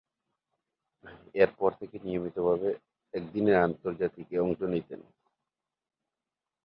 এরপর থেকে নিয়মিতভাবে একদিনের আন্তর্জাতিকে অংশ নিতেন।